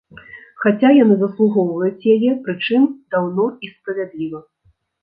Хаця яны заслугоўваюць яе, прычым, даўно і справядліва.